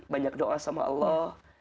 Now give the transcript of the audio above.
banyak doa sama allah